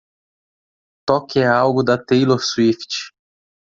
Toque algo da Taylor Swift.